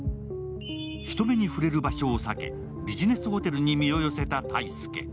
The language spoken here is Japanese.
人目に触れる場所を避けビジネスホテルに身を寄せた泰介。